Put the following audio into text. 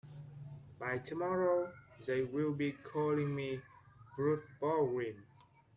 By tomorrow they'll be calling me Bruce Baldwin.